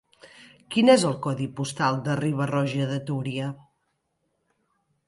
Quin és el codi postal de Riba-roja de Túria?